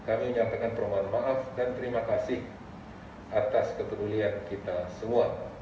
kami menyampaikan permohon maaf dan terima kasih atas kepedulian kita semua